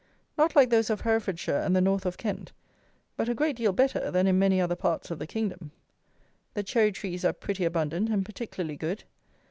Not like those of Herefordshire and the north of Kent; but a great deal better than in many other parts of the kingdom. The cherry trees are pretty abundant and particularly good.